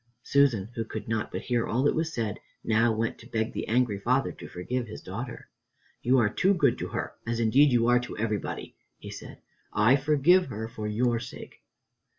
Susan, who could not but hear all that was said, now went to beg the angry father to forgive his daughter. "You are too good to her, as indeed you are to everybody," he said. "I forgive her for your sake."